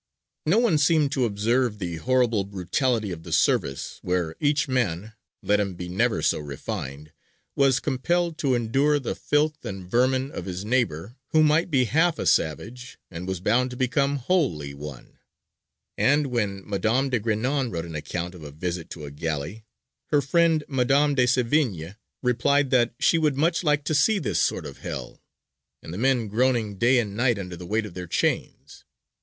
No one seemed to observe the horrible brutality of the service, where each man, let him be never so refined, was compelled to endure the filth and vermin of his neighbour who might be half a savage and was bound to become wholly one; and when Madame de Grignan wrote an account of a visit to a galley, her friend Madame de Sévigné replied that she would "much like to see this sort of Hell," and the men "groaning day and night under the weight of their chains."